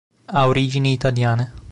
Ha origini italiane.